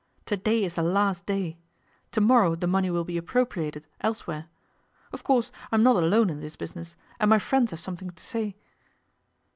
To day is the last day. To morrow the money will be appropriated, elsewhere. Of course, I'm not alone in this business, and my friends have something to say.